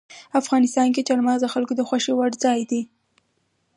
افغانستان کې چار مغز د خلکو د خوښې وړ ځای دی.